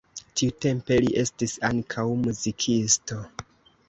Tiutempe li estis ankaŭ muzikisto.